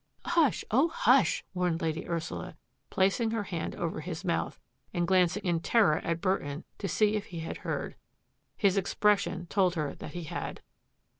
" Hush, oh, hush !" warned Lady Ursula, plac ing her hand over his mouth, and glancing in ter ror at Burton to see if he had heard. His expression told her that he had.